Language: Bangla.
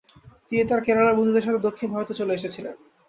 তিনি তার কেরালার বন্ধুদের সাথে দক্ষিণ ভারতে চলে এসেছিলেন।